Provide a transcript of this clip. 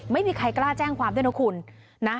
ไม่มีใครกล้าแจ้งความด้วยนะคุณนะ